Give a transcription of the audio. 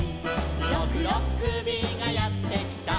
「ろくろっくびがやってきた」